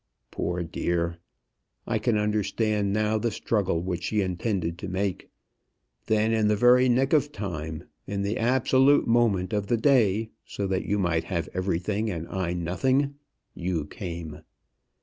Poor dear! I can understand now the struggle which she intended to make. Then in the very nick of time, in the absolute moment of the day so that you might have everything and I nothing you came.